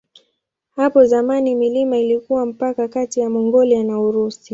Hapo zamani milima ilikuwa mpaka kati ya Mongolia na Urusi.